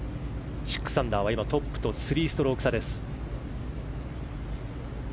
６アンダーはトップと３ストローク差です。